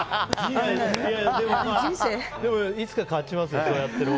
でもいつか勝ちますよ。